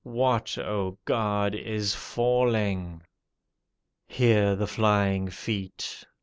What, O God, is falling? Hear the flying feet